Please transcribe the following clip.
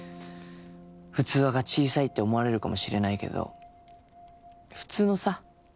器が小さいって思われるかもしれないけど普通のさ